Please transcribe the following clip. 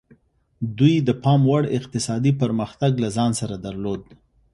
دوی د پاموړ اقتصادي پرمختګ له ځان سره درلود.